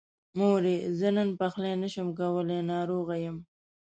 مورې! زه نن پخلی نشمه کولی، ناروغه يم.